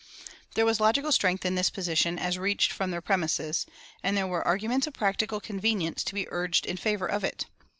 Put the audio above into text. There was logical strength in this position as reached from their premisses, and there were arguments of practical convenience to be urged in favor of it.